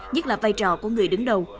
nhất là vai trò của người đứng đầu